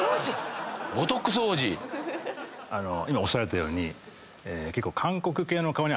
今おっしゃられたように結構。